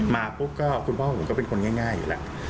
มาปุ๊บก็คุณพ่อผมก็เป็นคนง่ายอยู่แล้ว